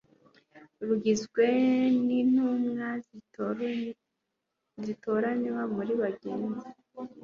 rugizwe n intumwa zitoranywa muri bagenzi